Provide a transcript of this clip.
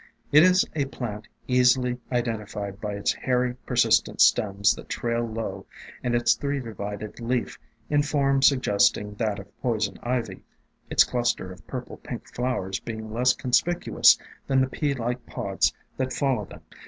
It is a plant 'easily 302 THE DRAPERY OF VINES identified by its hairy, persistent stems that trail low, and its three divided leaf, in form suggesting that of Poison Ivy, its cluster of purple pink flowers being less conspicuous than the pea like pods that follow them.